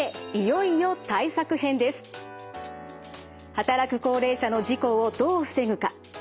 働く高齢者の事故をどう防ぐか。